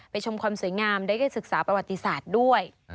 ชมความสวยงามได้ศึกษาประวัติศาสตร์ด้วย